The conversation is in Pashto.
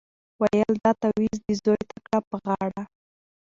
ویل دا تعویذ دي زوی ته کړه په غاړه